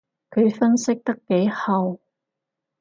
佢分析得幾號